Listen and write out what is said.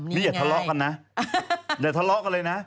นี่อย่าทะเลาะกันนะอย่าทะเลาะกันเลยนะ